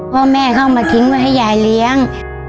พ่อแม่เขาเอามาทิ้งไว้ให้ยายเลี้ยง